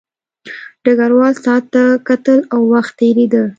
ډګروال ساعت ته کتل او وخت تېرېده